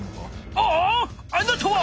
あなたは！